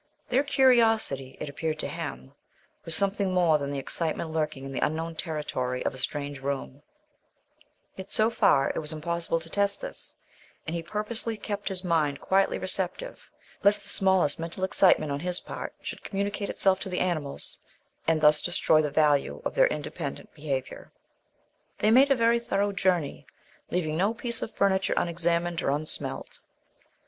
Their curiosity, it appeared to him, was something more than the excitement lurking in the unknown territory of a strange room; yet, so far, it was impossible to test this, and he purposely kept his mind quietly receptive lest the smallest mental excitement on his part should communicate itself to the animals and thus destroy the value of their independent behaviour. They made a very thorough journey, leaving no piece of furniture unexamined, or unsmelt.